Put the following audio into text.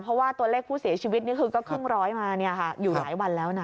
เพราะว่าตัวเลขผู้เสียชีวิตนี่คือก็ครึ่งร้อยมาอยู่หลายวันแล้วนะ